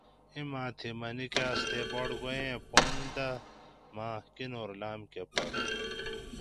اِما تھی مۤہ نِکاٞس تے باڑگوئ ایں پن دہ مہ کِینولام کٞہ پھݭ